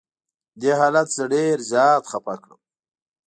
دې حالت زه ډېر زیات خفه کړم.